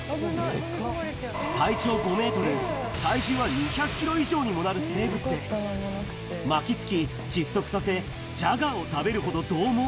体長５メートル、体重は２００キロ以上にもなる生物で、巻きつき、窒息させ、ジャガーを食べるほど獰猛。